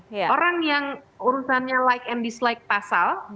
jadi sekarang yang urusannya like and dislike pasal